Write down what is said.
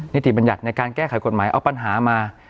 ติบัญญัติในการแก้ไขกฎหมายเอาปัญหามา